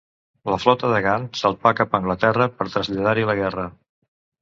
La flota de Gant salpà cap a Anglaterra per traslladar-hi la guerra.